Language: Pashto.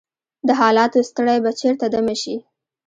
د حالاتو ستړی به چیرته دمه شي؟